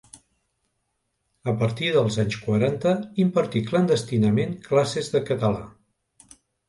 A partir dels anys quaranta impartí clandestinament classes de català.